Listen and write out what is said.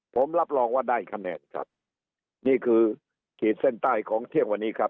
ผมรับรองว่าได้คะแนนครับนี่คือขีดเส้นใต้ของเที่ยงวันนี้ครับ